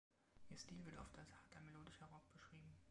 Ihr Stil wird oft als harter melodischer Rock beschrieben.